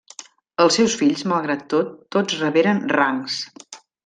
Els seus fills, malgrat tot, tots reberen rangs.